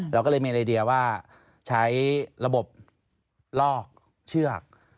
เราก็เลยมีไอเดียว่าใช้ระบบลอกเชือก